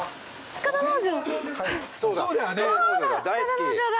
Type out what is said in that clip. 塚田農場だ。